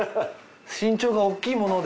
身長が大きいもので。